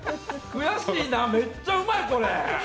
悔しいな、めっちゃうまい、これ。